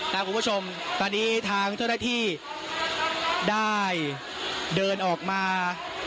ครับคุณผู้ชมตอนนี้ทางเท่าไหร่ที่ได้เดินออกมา